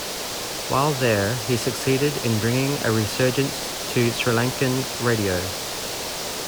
While there, he succeeded in bringing a resurgence to Sri Lankan radio.